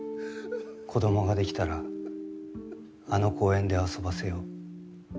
子供ができたらあの公園で遊ばせよう。